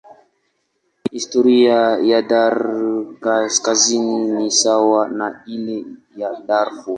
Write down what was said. Historia ya Darfur Kaskazini ni sawa na ile ya Darfur.